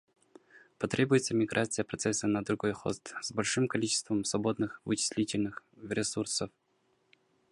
Потребуется миграция процесса на другой хост с большим количеством свободных вычислительных ресурсов